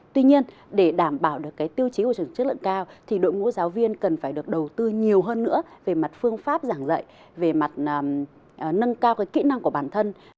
tuy nhiên để đảm bảo được tiêu chí của trường chất lượng cao thì đội ngũ giáo viên cần phải được đầu tư nhiều hơn nữa về mặt phương pháp giảng dạy về mặt nâng cao kỹ năng của bản thân